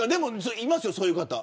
いますよ、そういう方。